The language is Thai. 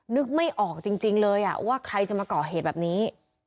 นึกไม่ออกจริงเลยว่าใครจะมาก่อเหตุแบบนี้